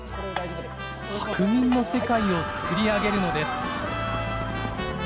白銀の世界を作り上げるのです。